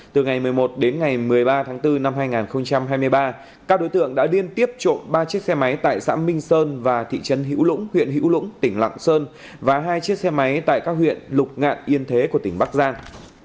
từ ngày một mươi một đến ngày một mươi ba tháng bốn năm hai nghìn hai mươi ba các đối tượng đã liên tiếp trộm ba chiếc xe máy tại xã minh sơn và thị trấn hữu lũng huyện hữu lũng tỉnh lạng sơn và hai chiếc xe máy tại các huyện lục ngạn yên thế của tỉnh bắc giang